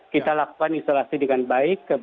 kita lakukan isolasi dengan baik